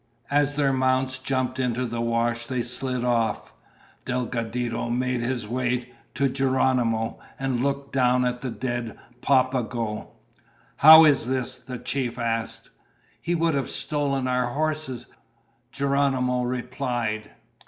As their mounts jumped into the wash they slid off. Delgadito made his way to Geronimo and looked down at the dead Papago. "How is this?" the chief asked. "He would have stolen our horses," Geronimo replied.